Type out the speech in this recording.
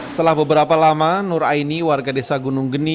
setelah beberapa lama nur aini warga desa gunung geni